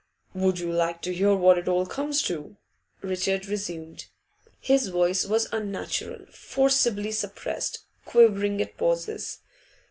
'Would you like to hear what it all comes to?' Richard resumed. His voice was unnatural, forcibly suppressed, quivering at pauses.